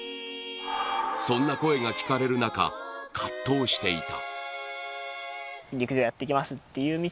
そんな声が聞かれる中葛藤していた。